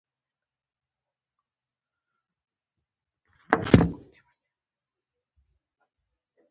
افغانستان په خپلو کلیو ډېر غني هېواد دی.